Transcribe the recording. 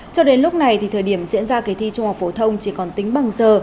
cho đến lúc này thì thời điểm diễn ra kỳ thi trung học phổ thông chỉ còn tính bằng giờ